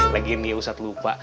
lagi nih usat lupa